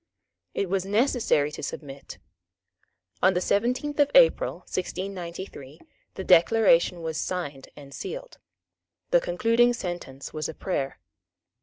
It was necessary to submit. On the seventeenth of April 1693 the Declaration was signed and sealed. The concluding sentence was a prayer.